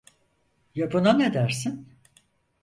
Ya buna ne dersin?